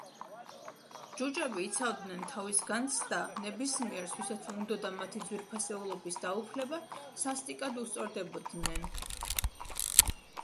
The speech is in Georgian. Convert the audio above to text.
ჯუჯები იცავდნენ თავის განძს და ნებისმიერს, ვისაც უნდოდა მათი ძვირფასეულობის დაუფლება, სასტიკად უსწორდებოდნენ.